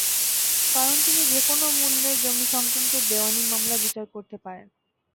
কারণ তিনি যেকোনো মূল্যের জমি সংক্রান্ত দেওয়ানি মামলার বিচার করতে পারেন।